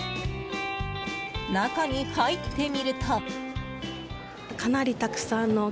中に入ってみると。